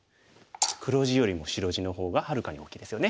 黒地よりも白地の方がはるかに大きいですよね。